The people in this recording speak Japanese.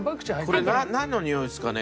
これなんのにおいですかね？